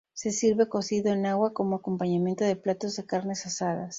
Se sirve cocido en agua como acompañamiento de platos de carnes asadas.